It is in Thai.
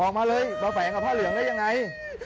ออกมาเลยแต่แฝงกับผ้าเหลืองด้วยอย่างไร